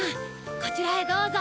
こちらへどうぞ。